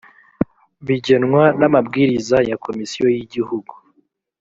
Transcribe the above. bigenwa n amabwiriza ya komisiyo y igihugu